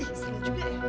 eh sangkulah ya